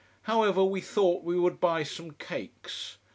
However, we thought we would buy some cakes.